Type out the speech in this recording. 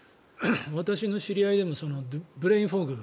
私の知り合いでもブレインフォグ。